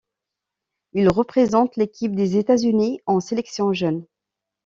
Il représente l'équipe des États-Unis en sélection jeune.